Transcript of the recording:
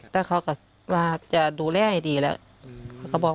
ทั้งครูก็มีค่าแรงรวมกันเดือนละประมาณ๗๐๐๐กว่าบาท